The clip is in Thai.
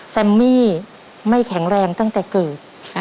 แซมมี่ไม่แข็งแรงตั้งแต่เกิด